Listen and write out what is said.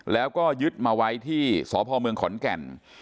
แล้วก็ยึดมาไว้ที่สพเมืองขอนแก่น